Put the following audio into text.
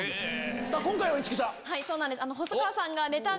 今回は市來さん！